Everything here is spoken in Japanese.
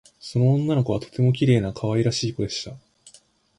その女の子はとてもきれいなかわいらしいこでした